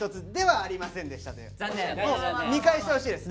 見返してほしいです